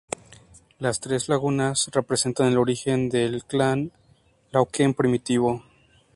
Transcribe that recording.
Las tres lagunas, representan el origen del Cla Lauquen primitivo.